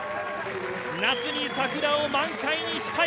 夏に桜を満開にしたい。